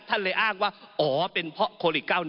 ท่านเลยอ้างว่าอ๋อเป็นเพราะโควิด๑๙